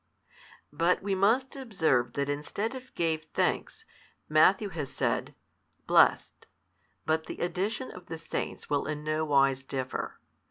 ] But we must observe that instead of gave thanks, Matthew has said, blessed, but the edition of the saints will in no wise differ.